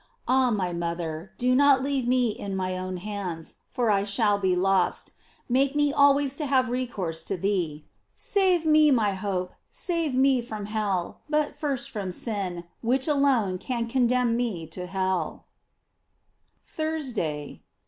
Ah, my mother, do not leave me in my own hands, for I shall be lost ; make me always to have recourse to thee. Save me, my hope, save me from hell ; but first from sin, which alone can condemn me to hell THURSDAY.